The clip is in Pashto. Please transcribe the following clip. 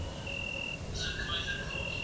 که وخت وي، سبزیحات جمع کوم؟!